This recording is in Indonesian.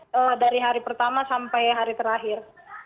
jadi dari hari pertama sampai hari terakhir